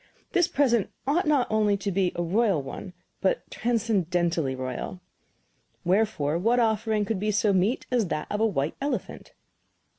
This present ought not only to be a royal one, but transcendently royal. Wherefore, what offering could be so meet as that of a white elephant?